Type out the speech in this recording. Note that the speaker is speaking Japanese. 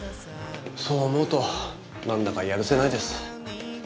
そう思うとなんだかやるせないです。